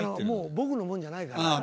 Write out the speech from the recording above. もう僕のもんじゃないから。